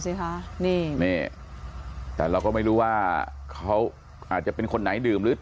สิคะนี่นี่แต่เราก็ไม่รู้ว่าเขาอาจจะเป็นคนไหนดื่มหรือ